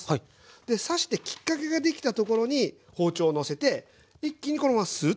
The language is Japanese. で刺してきっかけができたところに包丁をのせて一気にこのままスー。